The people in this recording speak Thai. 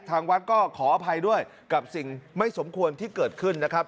ทางวัดก็ขออภัยด้วยกับสิ่งไม่สมควรที่เกิดขึ้นนะครับ